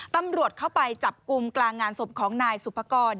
ตำรวจเข้าไปจับกลุ่มกลางงานศพของนายสุภกร